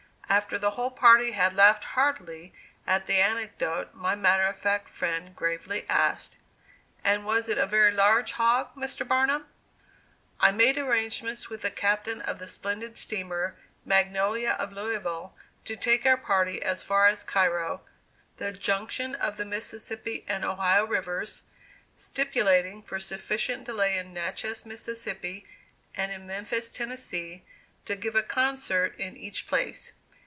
After the whole party had laughed heartily at the anecdote, my matter of fact friend gravely asked: "And was it a very large hog, Mr. Barnum?" I made arrangements with the captain of the splendid steamer "Magnolia," of Louisville, to take our party as far as Cairo, the junction of the Mississippi and Ohio rivers, stipulating for sufficient delay in Natchez, Mississippi, and in Memphis, Tennessee, to give a concert in each place.